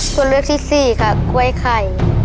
ตัวเลือกที่สี่ค่ะกล้วยไข่